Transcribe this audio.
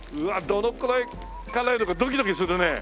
どのくらい辛いのかドキドキするね。